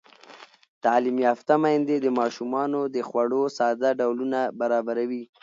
تعلیم یافته میندې د ماشومانو د خوړو ساده ډولونه برابروي.